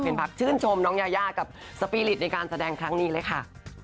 เป็นพักชื่นชมน้องยายากับสปีริตในการแสดงครั้งนี้เลยค่ะ